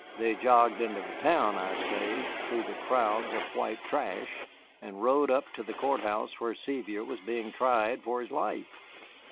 They jogged into the town, I say, through the crowds of white trash, and rode up to the court house where Sevier was being tried for his life.